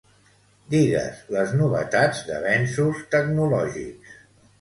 Digues les novetats d'avenços tecnològics.